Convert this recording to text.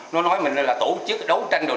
nó nói mình là tổ chức đấu tranh